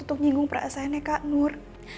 untuk nyinggung perasaannya kak nur